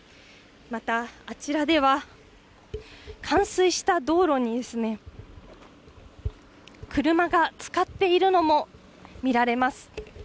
また、あちらでは冠水した道路にですね、車がつかっているのも見られます。